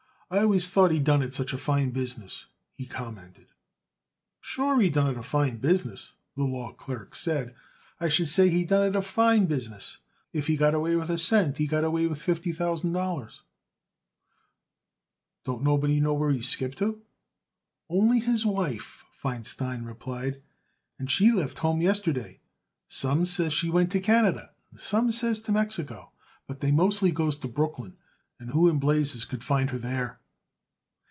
"I always thought he done it such a fine business," he commented. "Sure he done it a fine business," the law clerk said. "I should say he did done it a fine business. If he got away with a cent he got away with fifty thousand dollars." "Don't nobody know where he skipped to?" "Only his wife," Feinstein replied, "and she left home yesterday. Some says she went to Canada and some says to Mexico; but they mostly goes to Brooklyn, and who in blazes could find her there?"